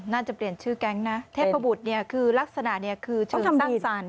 น่าจะเปลี่ยนชื่อแก๊งนะเทพบุตรเนี่ยคือลักษณะเนี่ยคือเฉินสร้างสรรค์